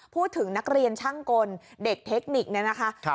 พูดถึงนักเรียนช่างกลเด็กเทคนิคเนี่ยนะคะ